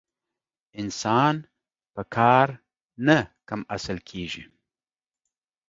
انسان په کار نه کم اصل کېږي.